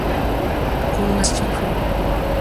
Con Lalo Schifrin